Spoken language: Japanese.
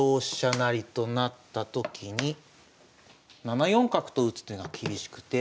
成となったときに７四角と打つ手が厳しくて。